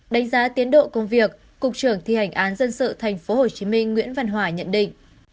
đánh giá tiến độ công việc cục trưởng thi hành án dân sự tp hcm nguyễn văn hòa nhận định